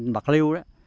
bật lưu đó